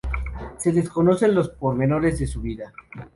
Se desconocen los pormenores de su vida.